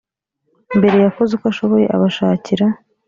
mbere yakoze uko ashoboye abashakira